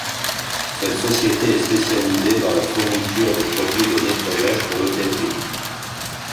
Cette société est spécialisée dans la fourniture de produits de nettoyage pour l'hôtellerie.